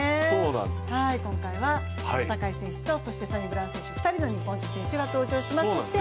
今回は坂井選手とサニブラウン選手、２人の日本人選手が登場します。